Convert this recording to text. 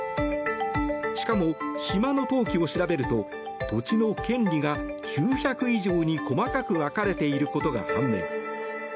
しかも、島の登記を調べると土地の権利が９００以上に細かく分かれていることが判明。